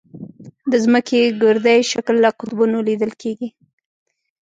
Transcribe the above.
د ځمکې ګردي شکل له قطبونو لیدل کېږي.